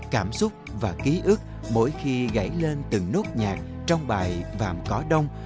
cảm xúc và ký ức mỗi khi gãy lên từng nốt nhạc trong bài vàm cỏ đông